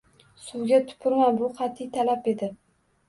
“Suvga tupurma!” Bu qat’iy talab edi